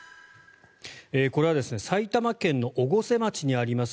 これは埼玉県の越生町にあります